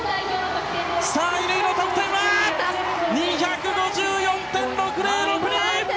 乾の得点、２５４．６０６２！